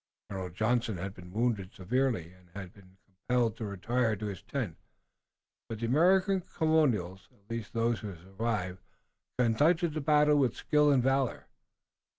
Colonel Johnson himself had been wounded severely, and had been compelled to retire to his tent, but the American colonels, at least those who survived, conducted the battle with skill and valor.